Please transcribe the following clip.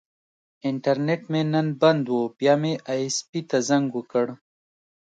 انټرنیټ مې نن بند و، بیا مې ائ ایس پي ته زنګ وکړ.